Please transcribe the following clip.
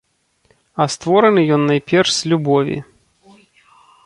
А створаны ён найперш з любові.